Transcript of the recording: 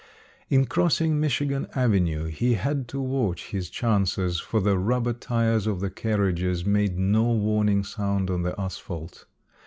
In crossing Michigan avenue he had to watch his chances, for the rubber tires of the carriages made no warning sound on the asphalt.